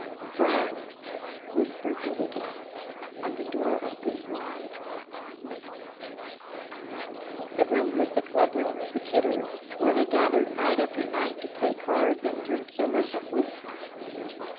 "Friends," whispered Billy Getz, and the door opened wide and admitted them. The room was the club room of the Kidders, where they gathered night after night to play cards and drink illicit whiskey.